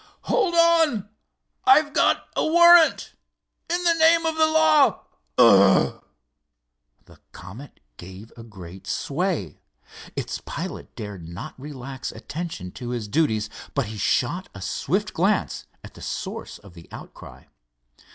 "Hold on! I've got a warrant! In the name of the law—ugh!" The Comet gave a great sway. Its pilot dared not relax attention to his duties, but he shot a swift glance at the source of the outcry.